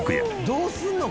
どうすんの？